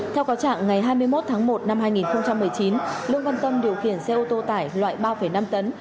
theo cáo trạng ngày hai mươi một tháng một năm hai nghìn một mươi chín lương văn tâm điều khiển xe ô tô tải loại ba năm tấn